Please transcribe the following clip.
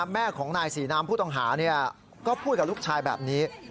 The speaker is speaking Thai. แม่ของนายศรีน้ำผู้ต้องหาก็พูดกับลูกชายแบบนี้